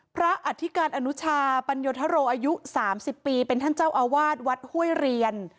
อธิการอนุชาปัญโยธโรอายุ๓๐ปีเป็นท่านเจ้าอาวาสวัดห้วยเรียน